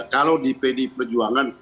kalau di pdp perjuangan